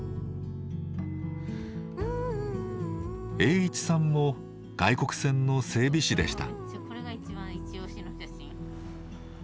英一さんも外国船の整備士でした。